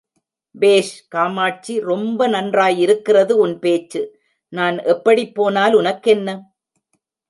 பேஷ் காமாட்சி ரொம்ப நன்றாயிருக்கிறது உன் பேச்சு, நான் எப்படிப் போனால் உனக்கென்ன?